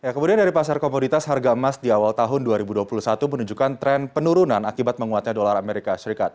kemudian dari pasar komoditas harga emas di awal tahun dua ribu dua puluh satu menunjukkan tren penurunan akibat menguatnya dolar amerika serikat